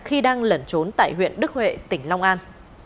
khi đang lẩn trốn tại huyện đức huệ tỉnh long an